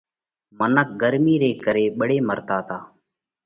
منک ڳرمِي ري ڪري ٻۯي مرتا تا۔